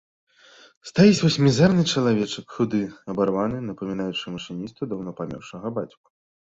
Стаіць вось мізэрны чалавечак, худы, абарваны, напамінаючы машыністу даўно памёршага бацьку.